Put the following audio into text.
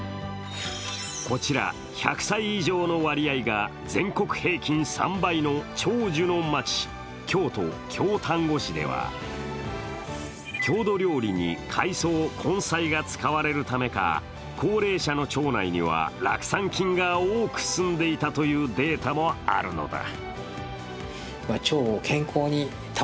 こちら１００歳以上の割合が全国平均３倍の長寿の町、京都・京丹後市では、郷土料理に海藻、根菜が使われるためか、高齢者の腸内には酪酸菌が多く住んでいたというデータもあるのだ。